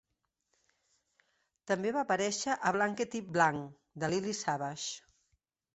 També va aparèixer a Blankety Blank de Lily Savage.